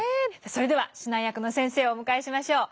それでは指南役の先生をお迎えしましょう。